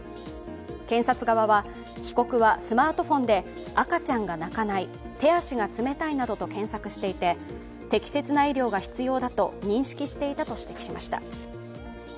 検察側は、被告はスマートフォンで赤ちゃんが泣かない、手足が冷たいなどと検索していて適切な医療が必要だと認識していたと指摘しました。